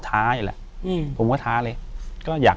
อยู่ที่แม่ศรีวิรัยยิวยวลครับ